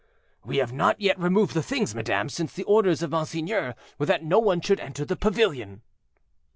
"We have not yet removed the things, madame, since the orders of monseigneur were that no one should enter the pavilion."